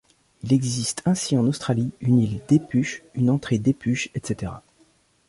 Il existe ainsi en Australie une île Depuch, une entrée Depuch, etc.